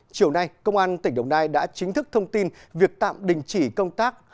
chiều nay công an tỉnh đồng nai đã chính thức thông tin việc tạm đình chỉ công tác